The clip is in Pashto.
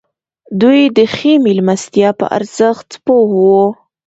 دوی د ښې مېلمستیا په ارزښت پوه وو.